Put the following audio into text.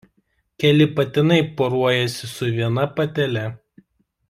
Keli patinai poruojasi su viena patele.